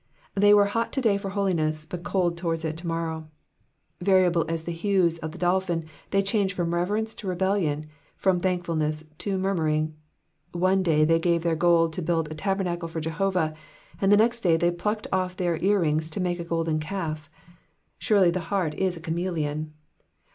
They were hot to day for holiness, but cold towards it to morrow. Vanable as the hues of the dolphin, they changed from reverence to rebellion, from thankfulness to murmuring. One day they gave their gold to build a tabernacle for Jehovah, and the next they plucked off their ear rings to make a golden calf. Surely the heart is a chameleon.